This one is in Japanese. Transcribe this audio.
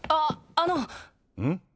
あのうん？